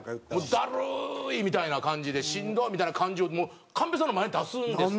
だるいみたいな感じでしんどいみたいな感じを寛平さんの前で出すんですって。